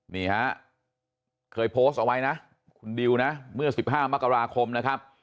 นี่ฮะเคยโพสต์เอาไว้นะคุณดิวนะเมื่อ๑๕มกราคมนะครับ